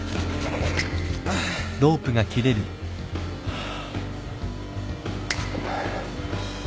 ああ。